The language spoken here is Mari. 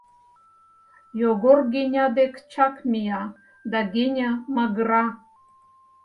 Йогор Геня дек чак мия, да Геня магыра: